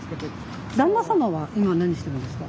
旦那様は今何してるんですか？